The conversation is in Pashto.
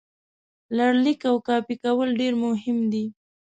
لړلیک او کاپي کول ډېر مهم دي.